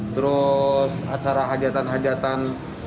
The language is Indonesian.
terus acara hajatan hajatan